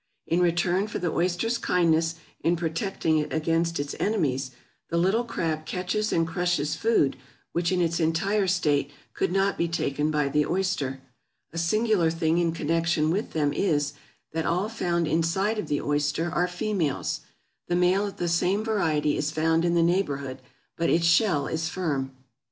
In return for the oyster's kindness in protecting it against its enemies, the little crab catches and crushes food which in its entire state could not be taken by the oyster. A singular thing in connection with them is, that all found inside of the oyster are females. The male of the same variety is found in the neighborhood, but its shell is firm.